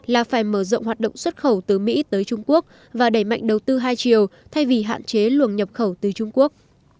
là phải mở rộng hoạt động xuất khẩu từ mỹ tới trung quốc và đẩy mạnh đầu tư hai chiều thay vì hạn chế luồng nhập khẩu từ trung quốc